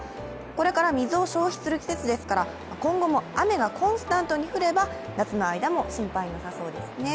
これから水を消費する季節ですから、今後も雨がコンスタントに降れば、夏の間も心配なさそうですね。